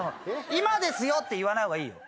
「今ですよ」って言わない方がいいよ。